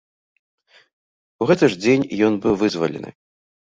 У гэты ж дзень ён быў вызвалены.